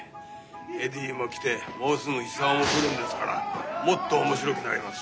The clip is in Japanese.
エディも来てもうすぐ久男も来るんですからもっと面白くなります。